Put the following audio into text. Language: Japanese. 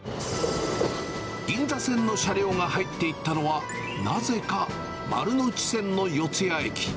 銀座線の車両が入っていったのは、なぜか丸ノ内線の四ツ谷駅。